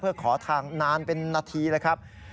เพื่อขอทางนานเป็นนาทีเลยครับ